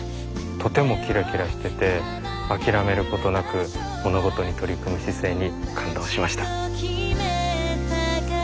とてもキラキラしてて諦めることなく物事に取り組む姿勢に感動しました。